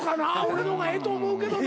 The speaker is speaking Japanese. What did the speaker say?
俺の方がええと思うけどな。